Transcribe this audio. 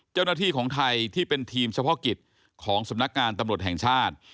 เจ้าหน้าที่ของไทยที่เป็นทีมเฉพาะกิจของสำนักงานตำรวจแห่งชาติ